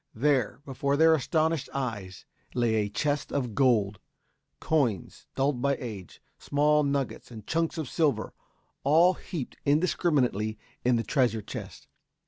There, before their astonished eyes, lay a chest of gold coins dulled by age, small nuggets and chunks of silver, all heaped indiscriminately in the treasure chest.